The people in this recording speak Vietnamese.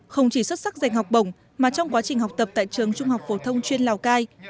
không chỉ xuất sắc dành học bổng mà trong quá trình học tập tại trường trung học phổ thông chuyên lào cai